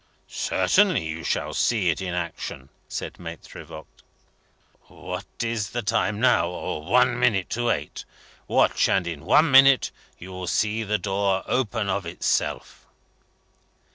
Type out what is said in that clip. "Certainly you shall see it in action," said Maitre Voigt. "What is the time now? One minute to eight. Watch, and in one minute you will see the door open of itself."